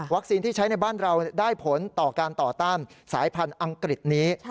ที่ใช้ในบ้านเราได้ผลต่อการต่อต้านสายพันธุ์อังกฤษนี้